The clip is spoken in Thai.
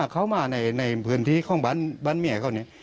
เขามาในพื้นที่ของบ้านเมียเขาเนี่ย